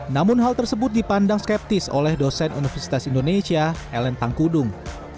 namun hal tersebut dipandang skeptis oleh dosen universitas indonesia ellen tangkudung